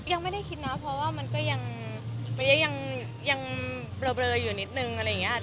ยังไม่ได้คิดนะเพราะว่ามันก็ยังเบลออยู่นิดนึงอะไรอย่างนี้